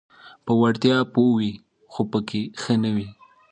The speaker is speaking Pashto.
په وړتیا پوه وي خو پکې ښه نه وي: